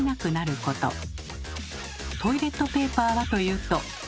トイレットペーパーはというと。